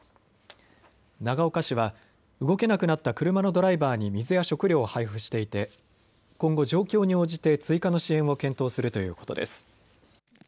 長岡市は動けなくなった車のドライバーに水や食料を配布していて今後、状況に応じて追加の支援を検討するということです。